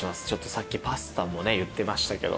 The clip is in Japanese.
さっきパスタも言ってましたけど。